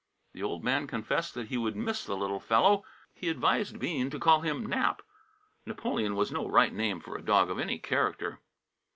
The old man confessed that he would miss the little fellow. He advised Bean to call him "Nap." "Napoleon" was no right name for a dog of any character.